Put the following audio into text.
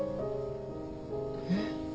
えっ？